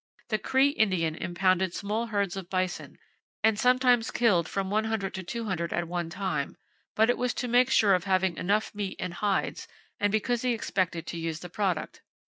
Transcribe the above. The Cree Indian impounded small herds of bison, and sometimes killed from 100 to 200 at one time; but it was to make sure of having enough meat and hides, and because he expected to use the product.